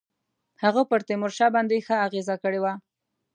هغه پر تیمورشاه باندي ښه اغېزه کړې وه.